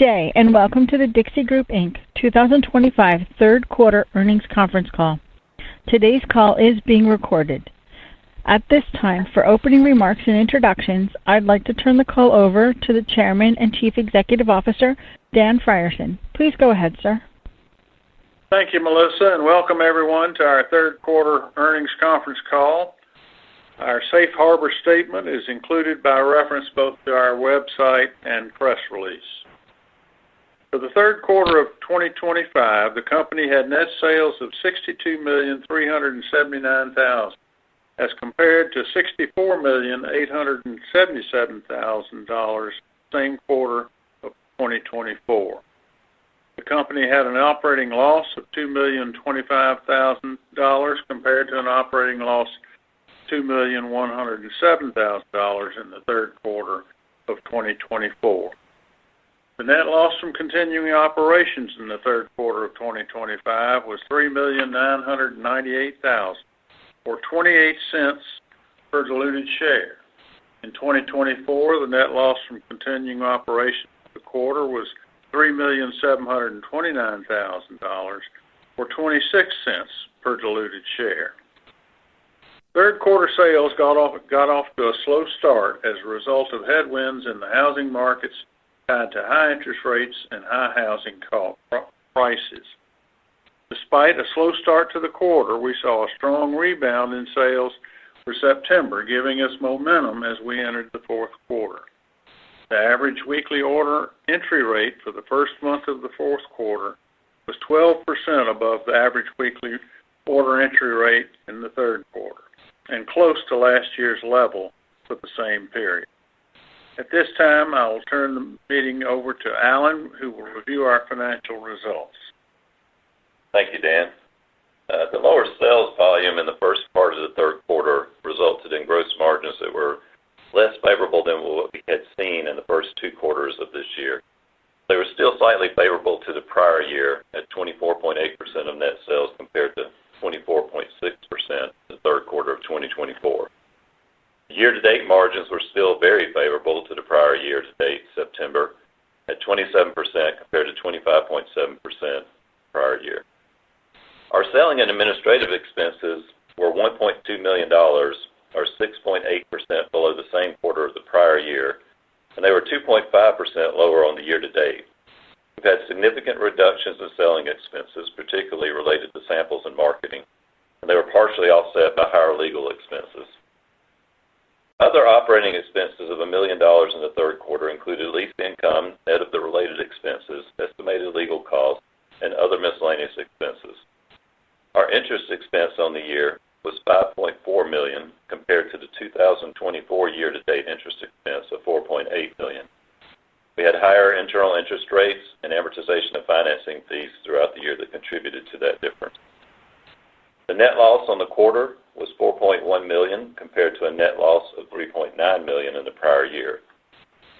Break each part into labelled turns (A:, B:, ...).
A: Good day, and welcome to The Dixie Group 2025 Third Quarter Earnings Conference C all. Today's call is being recorded. At this time, for opening remarks and introductions, I'd like to turn the call over to the Chairman and Chief Executive Officer, Dan Frierson. Please go ahead, sir.
B: Thank you, Melissa, and welcome everyone to our third quarter earnings conference call. Our safe harbor statement is included by reference both to our website and press release. For the third quarter of 2025, the company had net sales of $62,379,000, as compared to $64,877,000 the same quarter of 2024. The company had an operating loss of $2,025,000 compared to an operating loss of $2,107,000 in the third quarter of 2024. The net loss from continuing operations in the third quarter of 2025 was $3,998,000, or $0.28 per diluted share. In 2024, the net loss from continuing operations in the quarter was $3,729,000, or $0.26 per diluted share. Third quarter sales got off to a slow start as a result of headwinds in the housing markets tied to high interest rates and high housing prices. Despite a slow start to the quarter, we saw a strong rebound in sales for September, giving us momentum as we entered the fourth quarter. The average weekly order entry rate for the first month of the fourth quarter was 12% above the average weekly order entry rate in the third quarter, and close to last year's level for the same period. At this time, I will turn the meeting over to Allen, who will review our financial results.
C: Thank you, Dan. The lower sales volume in the first part of the third quarter resulted in gross margins that were less favorable than what we had seen in the first two quarters of this year. They were still slightly favorable to the prior year at 24.8% of net sales compared to 24.6% in the third quarter of 2024. Year-to-date margins were still very favorable to the prior year-to-date September, at 27% compared to 25.7% prior year. Our selling and administrative expenses were $1.2 million, or 6.8% below the same quarter of the prior year, and they were 2.5% lower on the year-to-date. We've had significant reductions in selling expenses, particularly related to samples and marketing, and they were partially offset by higher legal expenses. Other operating expenses of $1 million in the third quarter included lease income, net of the related expenses, estimated legal costs, and other miscellaneous expenses. Our interest expense on the year was $5.4 million compared to the 2024 year-to-date interest expense of $4.8 million. We had higher internal interest rates and amortization of financing fees throughout the year that contributed to that difference. The net loss on the quarter was $4.1 million compared to a net loss of $3.9 million in the prior year.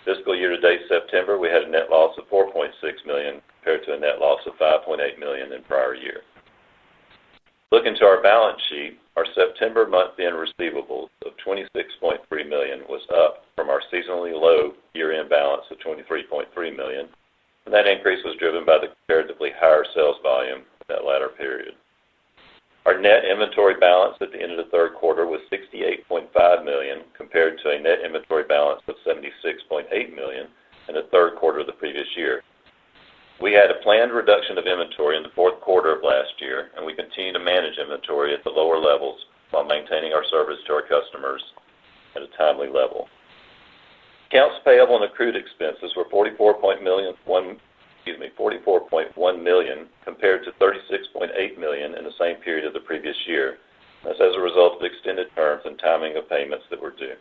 C: Fiscal year-to-date September, we had a net loss of $4.6 million compared to a net loss of $5.8 million in the prior year. Looking to our balance sheet, our September month-end receivables of $26.3 million was up from our seasonally low year-end balance of $23.3 million, and that increase was driven by the comparatively higher sales volume in that latter period. Our net inventory balance at the end of the third quarter was $68.5 million compared to a net inventory balance of $76.8 million in the third quarter of the previous year. We had a planned reduction of inventory in the fourth quarter of last year, and we continue to manage inventory at the lower levels while maintaining our service to our customers at a timely level. Accounts payable and accrued expenses were $44.1 million compared to $36.8 million in the same period of the previous year. That's as a result of extended terms and timing of payments that were due.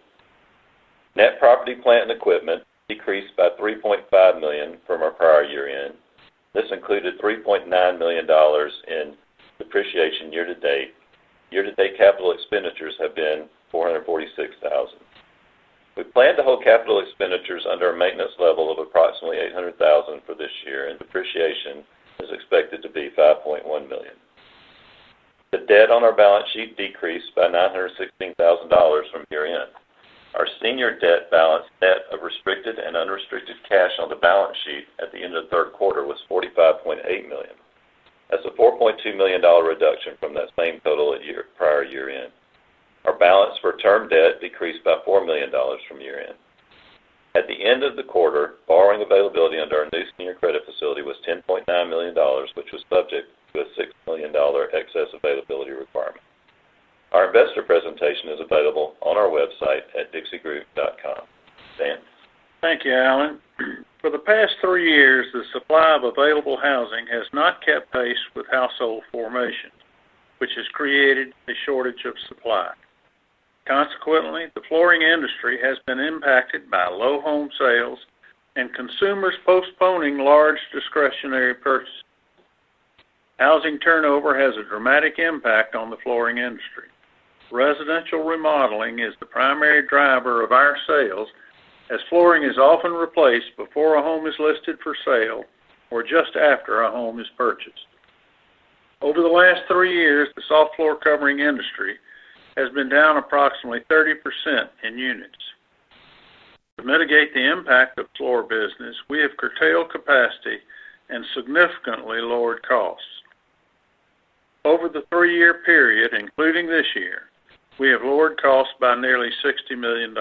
C: Net property, plant, and equipment decreased by $3.5 million from our prior year-end. This included $3.9 million in depreciation year-to-date. Year-to-date capital expenditures have been $446,000. We plan to hold capital expenditures under a maintenance level of approximately $800,000 for this year, and depreciation is expected to be $5.1 million. The debt on our balance sheet decreased by $916,000 from year-end. Our senior debt balance, net of restricted and unrestricted cash on the balance sheet at the end of the third quarter, was $45.8 million. That's a $4.2 million reduction from that same total at prior year-end. Our balance for term debt decreased by $4 million from year-end. At the end of the quarter, borrowing availability under our new senior credit facility was $10.9 million, which was subject to a $6 million excess availability requirement. Our investor presentation is available on our website at dixiegroup.com. Dan.
B: Thank you, Allen. For the past three years, the supply of available housing has not kept pace with household formation, which has created a shortage of supply. Consequently, the flooring industry has been impacted by low home sales and consumers postponing large discretionary purchases. Housing turnover has a dramatic impact on the flooring industry. Residential remodeling is the primary driver of our sales, as flooring is often replaced before a home is listed for sale or just after a home is purchased. Over the last three years, the soft floor covering industry has been down approximately 30% in units. To mitigate the impact of floor business, we have curtailed capacity and significantly lowered costs. Over the three-year period, including this year, we have lowered costs by nearly $60 million.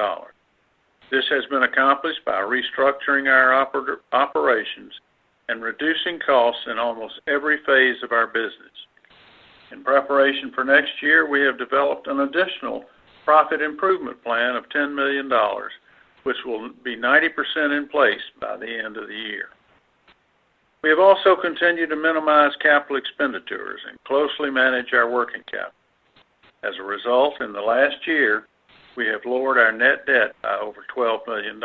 B: This has been accomplished by restructuring our operations and reducing costs in almost every phase of our business. In preparation for next year, we have developed an additional profit improvement plan of $10 million, which will be 90% in place by the end of the year. We have also continued to minimize capital expenditures and closely manage our working capital. As a result, in the last year, we have lowered our net debt by over $12 million.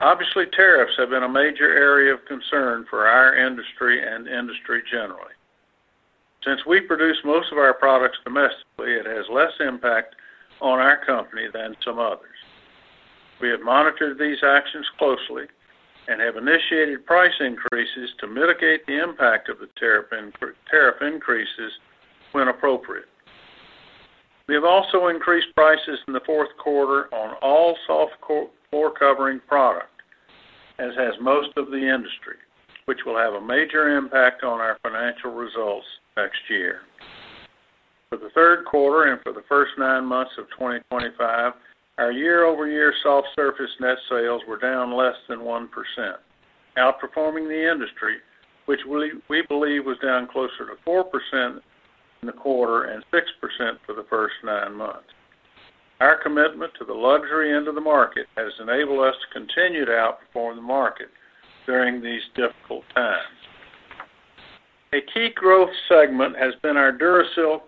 B: Obviously, tariffs have been a major area of concern for our industry and industry generally. Since we produce most of our products domestically, it has less impact on our company than some others. We have monitored these actions closely and have initiated price increases to mitigate the impact of the tariff increases when appropriate. We have also increased prices in the fourth quarter on all soft floor covering product, as has most of the industry, which will have a major impact on our financial results next year. For the third quarter and for the first nine months of 2025, our year-over-year soft surface net sales were down less than 1%, outperforming the industry, which we believe was down closer to 4% in the quarter and 6% for the first nine months. Our commitment to the luxury end of the market has enabled us to continue to outperform the market during these difficult times. A key growth segment has been our DuraSilkSD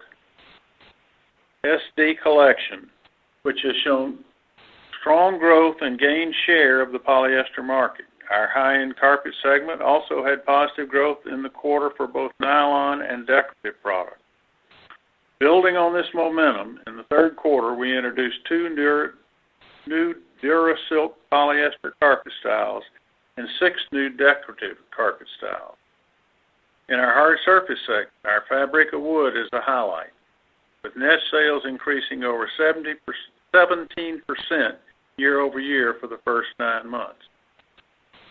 B: collection, which has shown strong growth and gained share of the polyester market. Our high-end carpet segment also had positive growth in the quarter for both nylon and decorative products. Building on this momentum, in the third quarter, we introduced two new Duracil polyester carpet styles and six new decorative carpet styles. In our hard surface segment, our Fabric of wood is a highlight, with net sales increasing over 17% year-over-year for the first nine months.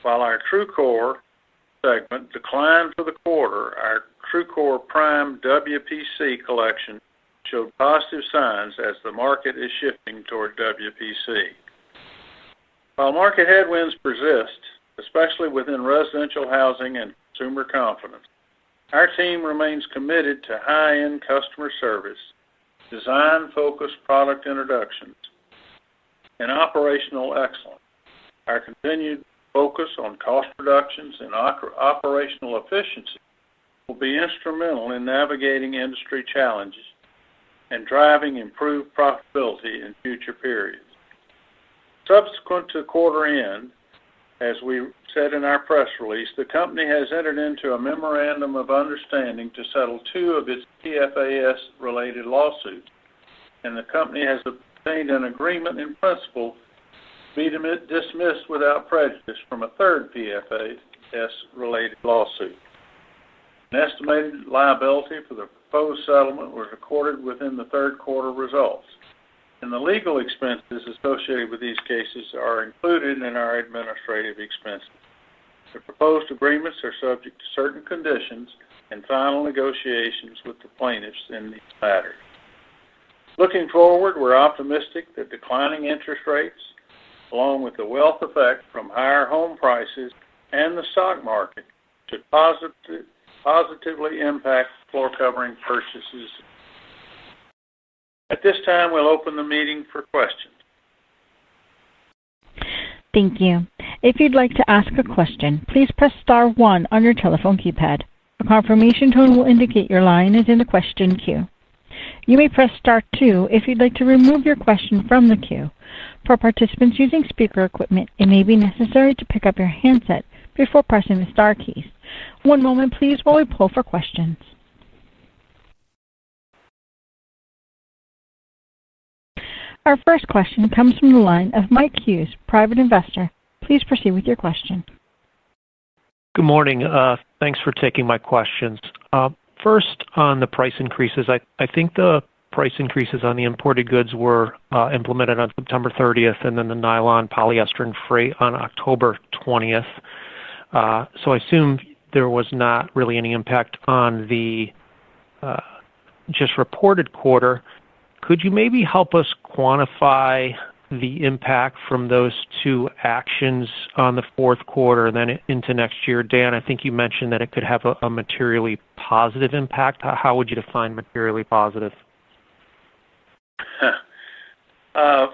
B: While our TRUCOR segment declined for the quarter, our TRUCOR prime WPC collection showed positive signs as the market is shifting toward WPC. While market headwinds persist, especially within residential housing and consumer confidence, our team remains committed to high-end customer service, design-focused product introductions, and operational excellence. Our continued focus on cost reductions and operational efficiency will be instrumental in navigating industry challenges and driving improved profitability in future periods. Subsequent to quarter end, as we said in our press release, the company has entered into a memorandum of understanding to settle two of its PFAS-related lawsuits, and the company has obtained an agreement in principle to be dismissed without prejudice from a third PFAS-related lawsuit. An estimated liability for the proposed settlement was recorded within the third quarter results, and the legal expenses associated with these cases are included in our administrative expenses. The proposed agreements are subject to certain conditions and final negotiations with the plaintiffs in the latter. Looking forward, we're optimistic that declining interest rates, along with the wealth effect from higher home prices and the stock market, should positively impact floor covering purchases. At this time, we'll open the meeting for questions.
A: Thank you. If you'd like to ask a question, please press star one on your telephone keypad. A confirmation tone will indicate your line is in the question queue. You may press star two if you'd like to remove your question from the queue. For participants using speaker equipment, it may be necessary to pick up your handset before pressing the star keys. One moment, please, while we pull for questions. Our first question comes from the line of Mike Hughes, private investor. Please proceed with your question. Good morning. Thanks for taking my questions. First, on the price increases, I think the price increases on the imported goods were implemented on September 30th and then the nylon polyester and freight on October 20th. I assume there was not really any impact on the just reported quarter. Could you maybe help us quantify the impact from those two actions on the fourth quarter and then into next year? Dan, I think you mentioned that it could have a materially positive impact. How would you define materially positive?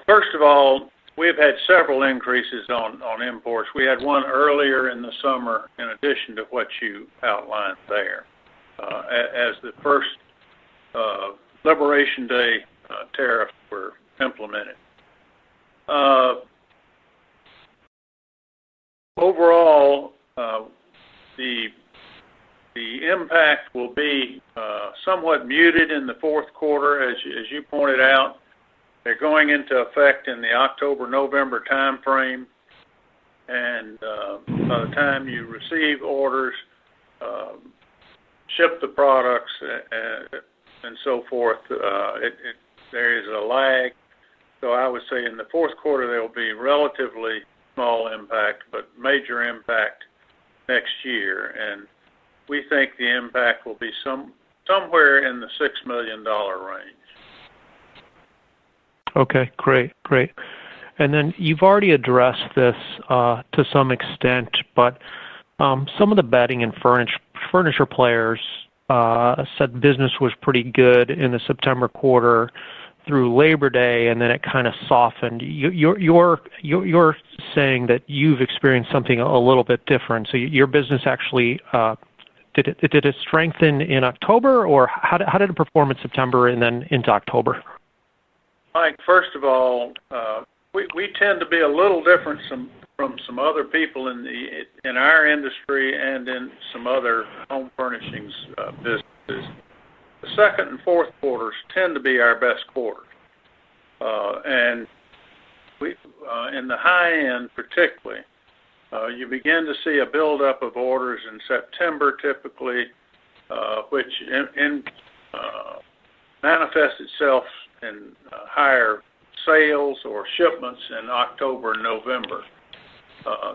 B: First of all, we've had several increases on imports. We had one earlier in the summer, in addition to what you outlined there, as the first liberation day tariffs were implemented. Overall, the impact will be somewhat muted in the fourth quarter, as you pointed out. They're going into effect in the October-November timeframe, and by the time you receive orders, ship the products, and so forth, there is a lag. I would say in the fourth quarter, there will be relatively small impact, but major impact next year. We think the impact will be somewhere in the $6 million range. Okay. Great. Great. You've already addressed this to some extent, but some of the bedding and furniture players said business was pretty good in the September quarter through Labor Day, and then it kind of softened. You're saying that you've experienced something a little bit different. Your business actually, did it strengthen in October, or how did it perform in September and then into October? Mike, first of all, we tend to be a little different from some other people in our industry and in some other home furnishings businesses. The second and fourth quarters tend to be our best quarters. In the high-end, particularly, you begin to see a buildup of orders in September, typically, which manifests itself in higher sales or shipments in October and November,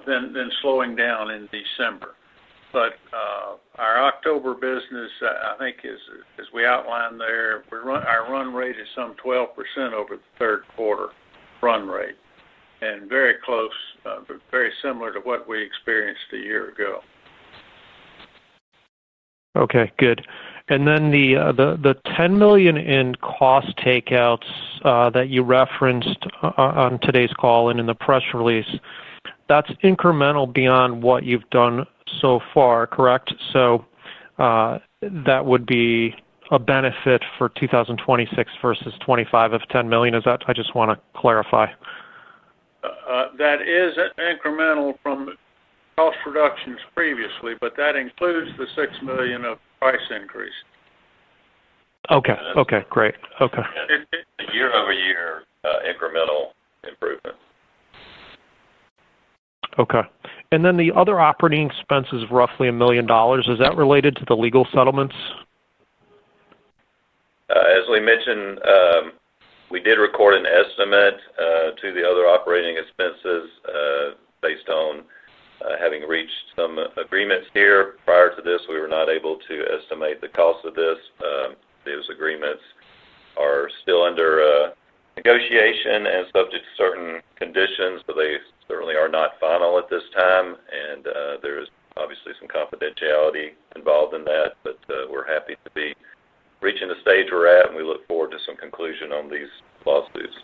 B: then slowing down in December. Our October business, I think, as we outlined there, our run rate is some 12% over the third quarter. Run rate and very close, very similar to what we experienced a year ago. Okay. Good. And then the $10 million in cost takeouts that you referenced on today's call and in the press release, that's incremental beyond what you've done so far, correct? So that would be a benefit for 2026 versus 2025 of $10 million. I just want to clarify. That is incremental from cost reductions previously, but that includes the $6 million of price increase. Okay. Great. Okay.
C: It's a year-over-year incremental improvement. Okay. And then the other operating expenses of roughly $1 million, is that related to the legal settlements? As we mentioned, we did record an estimate to the other operating expenses based on having reached some agreements here. Prior to this, we were not able to estimate the cost of this. Those agreements are still under negotiation and subject to certain conditions, so they certainly are not final at this time. There is obviously some confidentiality involved in that, but we're happy to be reaching the stage we're at, and we look forward to some conclusion on these lawsuits.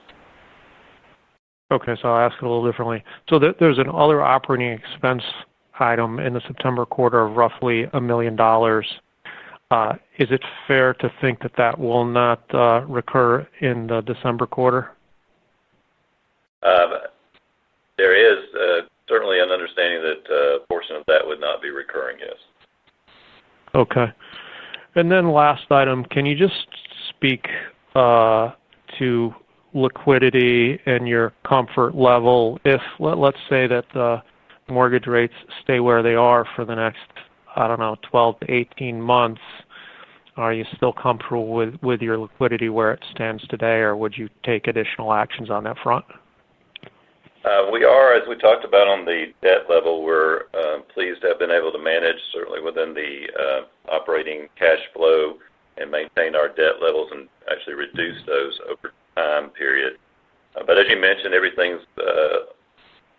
C: Okay. I'll ask it a little differently. There's another operating expense item in the September quarter of roughly $1 million. Is it fair to think that that will not recur in the December quarter? There is certainly an understanding that a portion of that would not be recurring, yes. Okay. And then last item, can you just speak to liquidity and your comfort level? Let's say that the mortgage rates stay where they are for the next, I don't know, 12-18 months. Are you still comfortable with your liquidity where it stands today, or would you take additional actions on that front? We are, as we talked about on the debt level. We're pleased to have been able to manage, certainly within the operating cash flow, and maintain our debt levels and actually reduce those over the time period. As you mentioned, everything's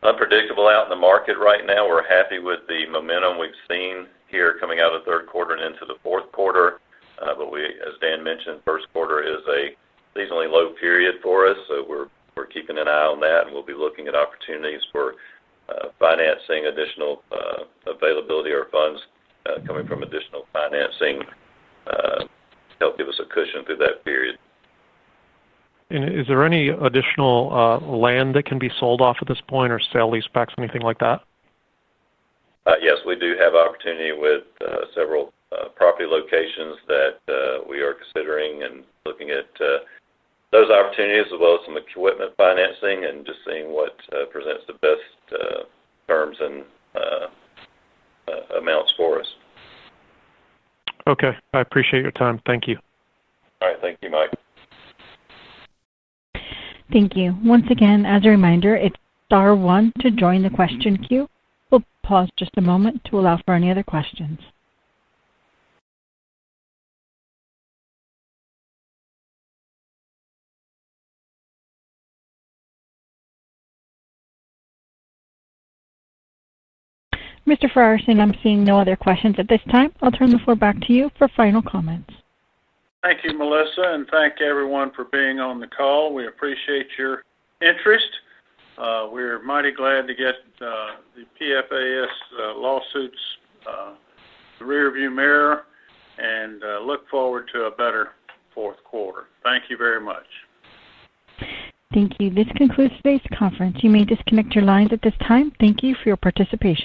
C: unpredictable out in the market right now. We're happy with the momentum we've seen here coming out of the third quarter and into the fourth quarter. As Dan mentioned, the first quarter is a seasonally low period for us, so we're keeping an eye on that, and we'll be looking at opportunities for financing, additional availability or funds coming from additional financing to help give us a cushion through that period. Is there any additional land that can be sold off at this point or sale lease specs, anything like that? Yes. We do have opportunity with several property locations that we are considering and looking at those opportunities as well as some equipment financing and just seeing what presents the best terms and amounts for us. Okay. I appreciate your time. Thank you. All right. Thank you, Mike.
A: Thank you. Once again, as a reminder, it's star one to join the question queue. We'll pause just a moment to allow for any other questions. Mr. Frierson, I'm seeing no other questions at this time. I'll turn the floor back to you for final comments.
B: Thank you, Melissa, and thank everyone for being on the call. We appreciate your interest. We're mighty glad to get the PFAS lawsuits in the rearview mirror and look forward to a better fourth quarter. Thank you very much.
A: Thank you. This concludes today's conference. You may disconnect your lines at this time. Thank you for your participation.